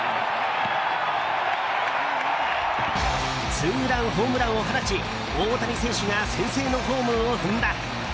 ツーランホームランを放ち大谷選手が先制のホームを踏んだ。